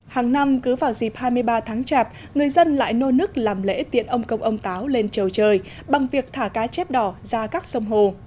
hàng năm cứ vào dịp hai mươi ba tháng chạp người dân lại nô nức làm lễ tiện ông công ông táo lên trầu trời bằng việc thả cá chép đỏ ra các sông hồ